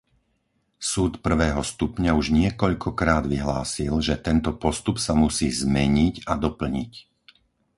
Súd prvého stupňa už niekoľkokrát vyhlásil, že tento postup sa musí zmeniť a doplniť.